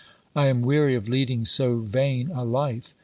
I am weary of leading so vain a life.